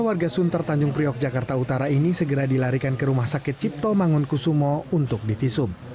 warga sunter tanjung priok jakarta utara ini segera dilarikan ke rumah sakit cipto mangunkusumo untuk divisum